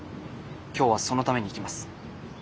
今日はそのために行きます。